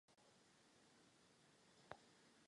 Z toho důvodu vítám úsilí zpravodaje.